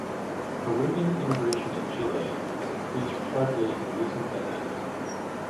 Peruvian immigration in Chile has increased sharply in recent decades.